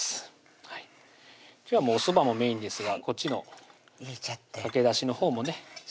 今日はおそばもメインですがこっちのかけだしのほうもね